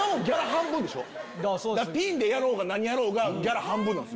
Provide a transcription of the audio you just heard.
ピンでやろうが何やろうがギャラ半分なんです。